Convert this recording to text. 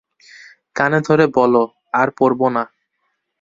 কানে ধরে বলো- আর পড়ব না।